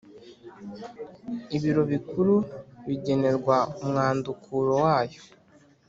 Ibiro Bikuru bigenerwa umwandukuro wayo